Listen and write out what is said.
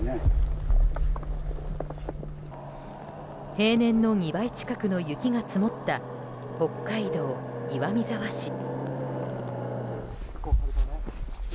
平年の２倍近くの雪が積もった北海道岩見沢市。